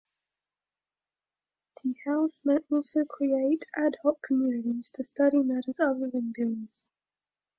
The House may also create "ad hoc" committees to study matters other than bills.